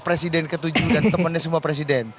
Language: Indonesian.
presiden ke tujuh dan temannya semua presiden